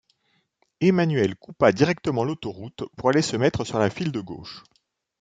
Emmanuelle coupa directement l’autoroute pour aller se mettre sur la file de gauche.